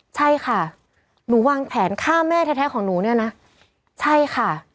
ใช่ค่ะหนูวางแผนฆ่าแม่แท้ของหนูเนี่ยนะใช่ค่ะ